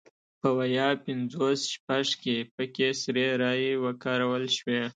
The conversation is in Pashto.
په ویا پینځوس شپږ کې پکې سري رایې وکارول شوې.